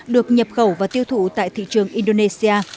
được nhập khẩu và tiêu thụ tại thị trường indonesia